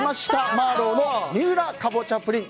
マーロウの三浦かぼちゃプリン。